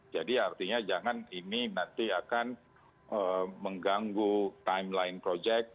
jadi artinya jangan ini nanti akan mengganggu timeline project